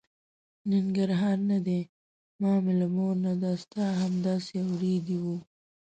ننګرهار نه دی، ما مې له مور نه دا ستا همداسې اورېدې وه.